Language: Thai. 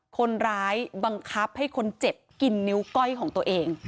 คนร้ายบังคับให้คนเจ็บกินนิ้วก้อยของตัวเอง